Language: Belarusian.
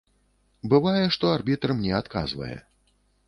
Бывае, што арбітр мне адказвае.